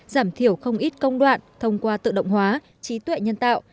giảm thiểu không ít công đoạn thông qua tự động hóa trí tuệ nhân tạo